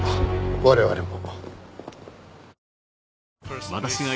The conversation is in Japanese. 我々も。